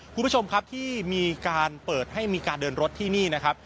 คุณผู้ชมครับที่มีการเปิดให้มีการเดินรถที่นี่นะครับ